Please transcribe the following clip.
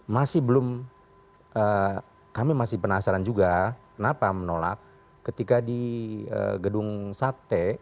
masih belum kami masih penasaran juga kenapa menolak ketika di gedung sate